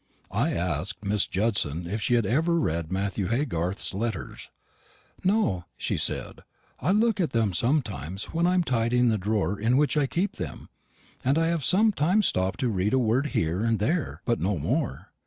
I asked Miss Judson if she had ever read Matthew Haygarth's letters. "No," she said; "I look at them sometimes when I'm tidying the drawer in which I keep them, and I have sometimes stopped to read a word here and there, but no more.